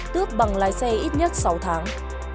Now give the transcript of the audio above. tước bằng lái xe ít nhất sáu tháng